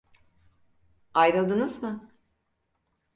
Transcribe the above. Ayrıldınız mı?